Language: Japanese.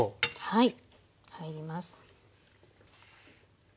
はい。